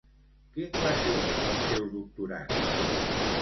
Quin va ser el seu doctorat?